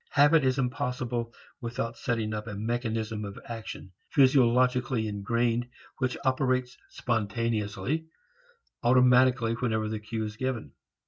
Habit is impossible without setting up a mechanism of action, physiologically engrained, which operates "spontaneously," automatically, whenever the cue is given.